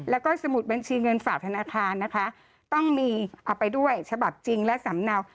แล้วก็สมุดบัญชีเงินฝากธนาคารนะคะต้องมีเอาไปด้วยฉบับจริงและสำเนา